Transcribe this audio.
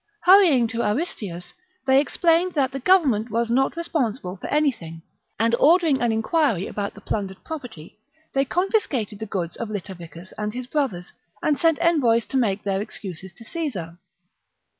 Hurrying to Aristius, they explained that the government was not responsible for anything ; and ordering an inquiry about the plundered property, they con fiscated the goods of Litaviccus and his brothers, and sent envoys to make their excuses to Caesar.